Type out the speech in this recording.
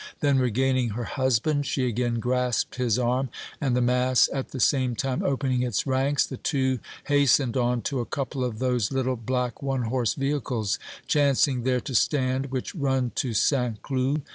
Then regaining her husband, she again grasped his arm, and the mass at the same time opening its ranks, the two hastened on to a couple of those little black one horse vehicles, chancing there to stand, which run to St. Cloud.